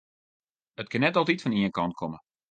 It kin net altyd fan ien kant komme.